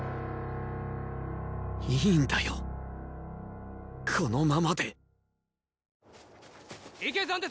いいんだよこのままでいけ斬鉄。